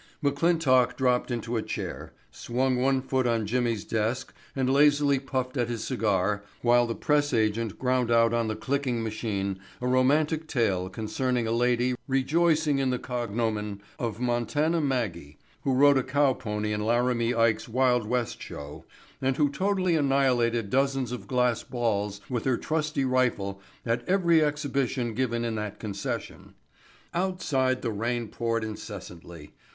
McClintock dropped into a chair, swung one foot on Jimmy's desk and lazily puffed at his cigar while the press agent ground out on the clicking machine a romantic tale concerning a lady rejoicing in the cognomen of Montana Maggie, who rode a cow pony in Laramie Ike's Wild West Show and who totally annihilated dozens of glass balls with her trusty rifle at every exhibition given in that concession. Outside the rain poured incessantly.